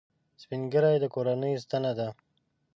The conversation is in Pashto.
سپین ږیری د کورنۍ ستنه ده